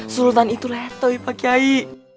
sultan itu letoy pak yai